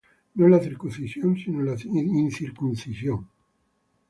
No en la circuncisión, sino en la incircuncisión.